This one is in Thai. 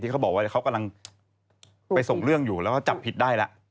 เขาบอกว่าเขากำลังไปส่งเรื่องอยู่แล้วก็จับผิดได้แล้ว